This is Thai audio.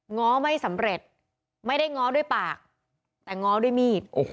ง้อไม่สำเร็จไม่ได้ง้อด้วยปากแต่ง้อด้วยมีด